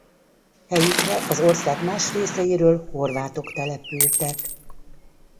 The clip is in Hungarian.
Helyükre az ország más részeiről horvátok települtek.